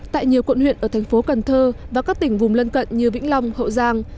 tại nhiều quận huyện ở thành phố cần thơ và các tỉnh vùng lân cận như vĩnh long hậu giang